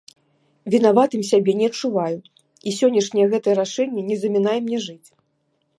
Вінаватым сябе не адчуваю і сённяшняе гэтае рашэнне не замінае мне жыць.